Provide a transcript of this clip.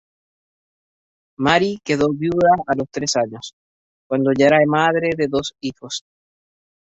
Mary quedó viuda a los tres años, cuando ya era madre de dos hijos.